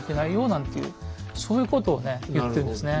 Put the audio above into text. ちゃんと正したあとそういうことをね言ってるんですね。